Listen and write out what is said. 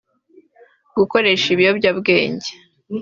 gukoresha ibiyobyabwenge